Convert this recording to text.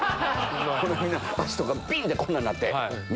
みんな脚とかピン！ってこんなんなって。